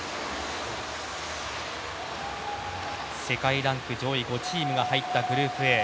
世界ランク上位５チームが入ったグループＡ。